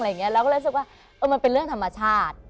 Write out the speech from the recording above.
แล้วลืมสิว่าอ่ะมันเป็นเรื่องธรรมชาติ